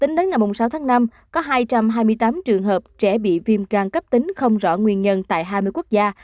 hôm sáu tháng năm có hai trăm hai mươi tám trường hợp trẻ bị viêm gan cấp tính không rõ nguyên nhân tại hai mươi quốc gia